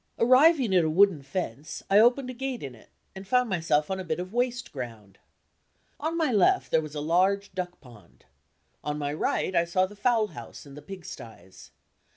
Arriving at a wooden fence, I opened a gate in it, and found myself on a bit of waste ground. On my left, there was a large duck pond. On my right, I saw the fowl house and the pigstyes.